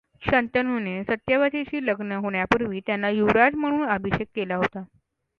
शंतनूने सत्यवतीशी लग् न होण्यापूर्वी त्यांना युवराज म्हणून अभिषेक केला होता.